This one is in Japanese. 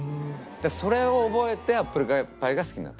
それを覚えてアップルパイが好きになった。